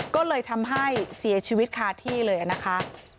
ก็เลยทำให้เสียชีวิตคาที่เลยนะคะ